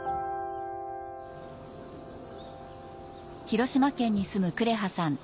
広島県に住むくれはさん